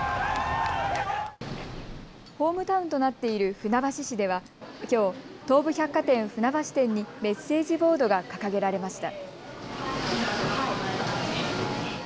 ホームタウンとなっている船橋市ではきょう、東武百貨店船橋店にメッセージボードが掲げられました。